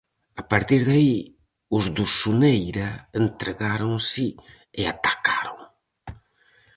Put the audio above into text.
A partir de aí os do Soneira entregáronse e atacaron.